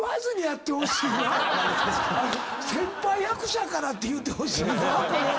先輩役者からって言うてほしいなこれ。